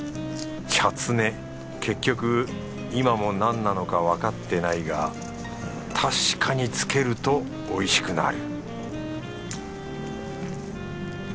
チャツネ結局今も何なのかわかってないが確かにつけるとおいしくなる